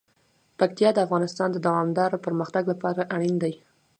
پکتیا د افغانستان د دوامداره پرمختګ لپاره اړین دي.